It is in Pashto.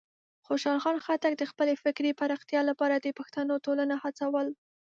خوشحال خان خټک د خپلې فکري پراختیا لپاره د پښتنو ټولنه هڅول.